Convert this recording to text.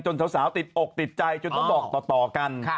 จนสาวติดอกติดใจจนต้องตอกกัน